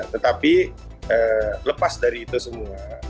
tetapi lepas dari itu semua